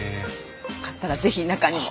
よかったら是非中にも。